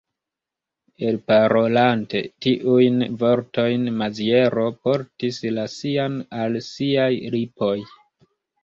Elparolante tiujn vortojn, Maziero portis la sian al siaj lipoj.